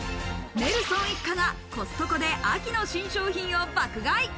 ネルソン一家がコストコで秋の新商品を爆買い。